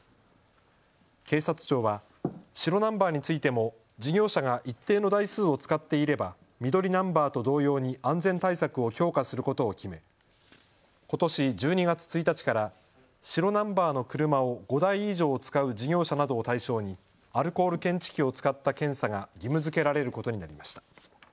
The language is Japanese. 警察庁は白ナンバーについても事業者が一定の台数を使っていれば緑ナンバーと同様に安全対策を強化することを決めことし１２月１日から白ナンバーの車を５台以上使う事業者などを対象にアルコール検知器を使った検査が義務づけられることになりました。